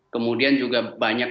kemudian juga banyak